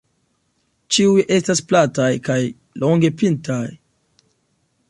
Ĉiuj estas plataj kaj longe pintaj.